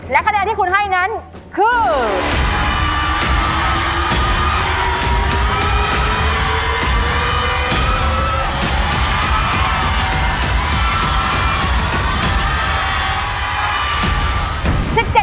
และคะแนนที่คุณให้นั้นคือ